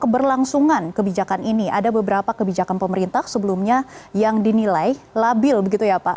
keberlangsungan kebijakan ini ada beberapa kebijakan pemerintah sebelumnya yang dinilai labil begitu ya pak